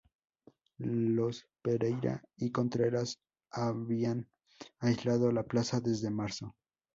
Los Pereyra y Contreras habían aislado la plaza desde marzo.